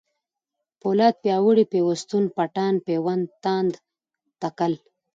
پولاد ، پیاوړی ، پيوستون ، پټان ، پېوند ، تاند ، تکل